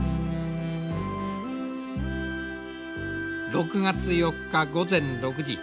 ６月４日午前６時。